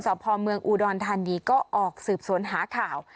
ภอมเมืองอุดรธานีก็ออกสืบสวนหาข่าว